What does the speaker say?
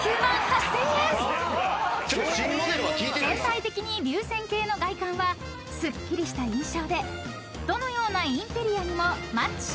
［全体的に流線形の外観はすっきりした印象でどのようなインテリアにもマッチします］